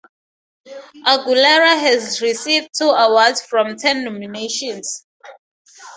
Aguilera has received two awards from ten nominations.